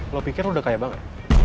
lo pikir udah kaya banget